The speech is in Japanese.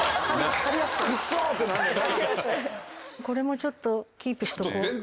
これもちょっとキープしとこう。